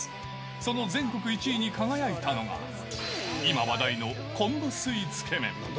その全国１位に輝いたのが、今、話題の昆布水つけ麺。